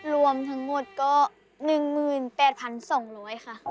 รวมทั้งหมดก็หนึ่งหมื่นแปดพันสองร้อยค่ะ